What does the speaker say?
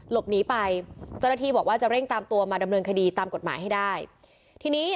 หลบหนีไปเจ้าหน้าที่บอกว่าจะเร่งตามตัวมาดำเนินคดีตามกฎหมายให้ได้ทีนี้